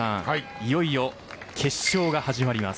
いよいよ決勝が始まります。